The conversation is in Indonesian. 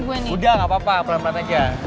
udah gak apa apa pelan pelan aja